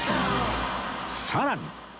さらに